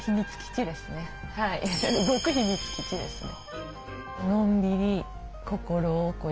秘密基地ですね。